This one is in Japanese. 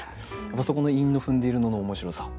そこの韻の踏んでいるのの面白さ。